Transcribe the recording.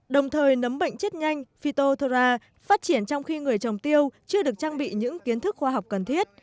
đồng thời nấm bệnh chết nhanh fitora phát triển trong khi người trồng tiêu chưa được trang bị những kiến thức khoa học cần thiết